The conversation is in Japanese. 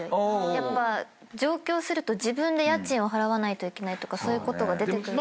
やっぱ上京すると自分で家賃を払わないといけないとかそういうことが出てくる。